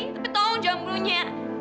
tapi tolong jangan belunya